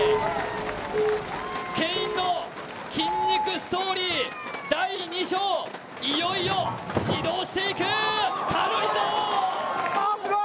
ケインの筋肉ストーリー第２章いよいよ始動していく、わーすごい！